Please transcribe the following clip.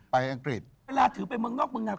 อังกฤษเวลาถือไปเมืองนอกเมืองนาว